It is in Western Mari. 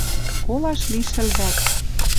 Колаш лишӹл вӓк.